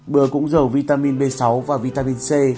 bơ cũng dầu vitamin b sáu và vitamin c